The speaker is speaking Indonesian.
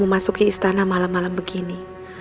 memasuki istana malam malam begini